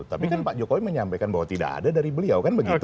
tapi kan pak jokowi menyampaikan bahwa tidak ada dari beliau kan begitu